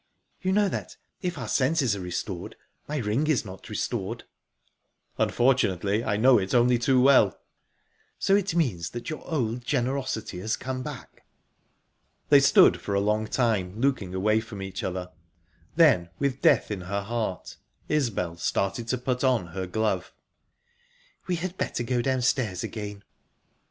"You know that, if our senses are restored, my ring is not restored?" "Unfortunately, I know it only too well." "So it means that your old generosity has come back?" They stood for a long time, looking away from each other. Then, with death in her heart, Isbel started to put on her glove. "We had better go downstairs again."